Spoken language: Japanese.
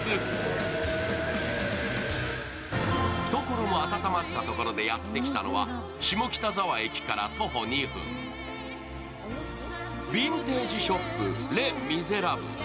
懐が温まったところでやってきたのは下北沢駅から徒歩２分、ヴィンテージショップ、レ・ミゼラブル。